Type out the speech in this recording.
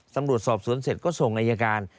สำรวจสอบสวนเสร็จซ่อมอาญาการ